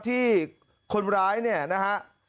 ที่คนร้ายเนี่ยนะฮะ